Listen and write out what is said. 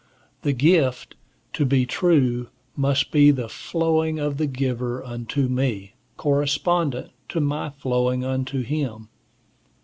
The gift, to be true, must be the flowing of the giver unto me, correspondent to my flowing unto him.